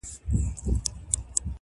په دار دي کړم مګر خاموش دي نکړم,